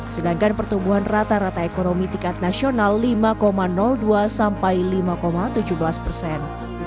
sedangkan pertumbuhan rata rata ekonomi tingkat nasional lima dua sampai lima tujuh belas persen